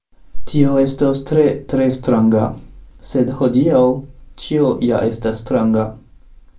Tio estos tre, tre stranga, sed hodiaŭ ĉio ja estas stranga.